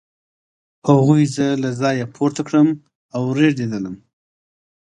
هغوی زه له ځایه پورته کړم او زه رېږېدلم